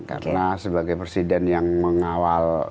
karena sebagai presiden yang mengawal proses jalannya